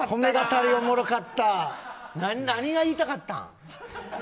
何が言いたかったん。